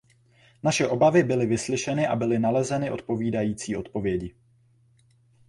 Naše obavy byly vyslyšeny a byly nalezeny odpovídající odpovědi.